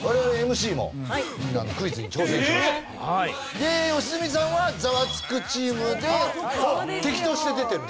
で良純さんは『ザワつく！』チームで敵として出てるんだよね。